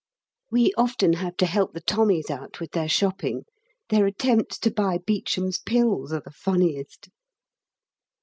We often have to help the Tommies out with their shopping; their attempts to buy Beecham's Pills are the funniest.